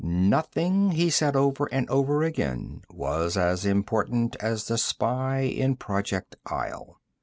Nothing, he said over and over again, was as important as the spy in Project Isle.